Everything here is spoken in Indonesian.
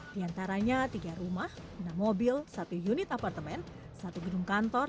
di antaranya tiga rumah enam mobil satu unit apartemen satu gedung kantor